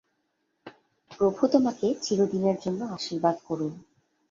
প্রভু তোমাকে চিরদিনের জন্য আশীর্বাদ করুন।